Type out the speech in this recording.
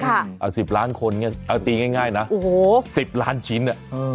อ่าสิบล้านคนไงเอาตีง่ายง่ายนะโอ้โหสิบล้านชิ้นอ่ะเออ